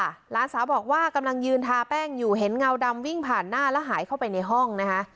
หลานสาวบอกว่ากำลังยืนทาแป้งอยู่เห็นเงาดำวิ่งผ่านหน้าแล้วหายเข้าไปในห้องนะคะ